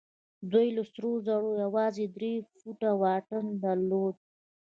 دوی له سرو زرو يوازې درې فوټه واټن درلود.